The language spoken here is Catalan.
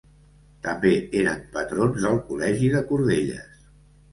També eren patrons del Col·legi de Cordelles.